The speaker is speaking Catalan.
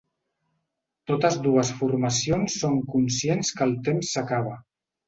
Totes dues formacions són conscients que el temps s’acaba.